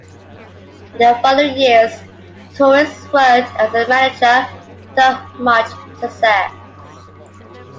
In the following years Torres worked as a manager, without much success.